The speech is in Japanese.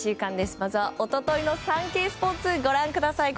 まずは一昨日のサンケイスポーツご覧ください。